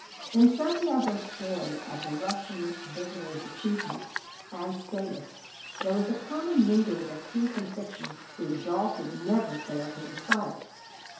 In Santiago's story of the Russian visitor's achievements and status there was the common mingling of truth and fiction the exalted never fail to inspire.